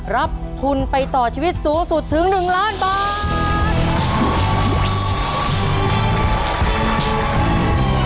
รับทุนไปต่อชีวิตสูงสุดถึง๑ล้านบาท